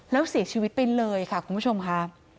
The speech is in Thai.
แล้วเสียชีวิตไปเลยค่ะคุณผู้ชมค่ะ